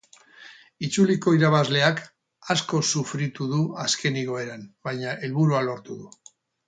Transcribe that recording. Itzuliko irabazleak asko sofritu du azken igoeran, baina helburua lortu du.